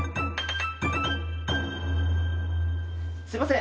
すいません。